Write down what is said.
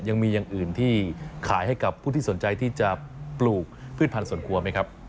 ยังมีอย่างอื่นที่ขายให้กับผู้ที่สนใจที่จะปลูกพืชพันธุ์ส่วนครัวไหมครับ